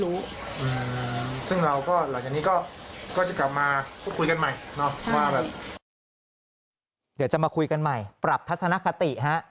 เดี๋ยวจะมาคุยกันใหม่ปรับทัศนคติฮะ